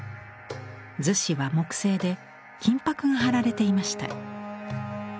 厨子は木製で金箔が張られていました。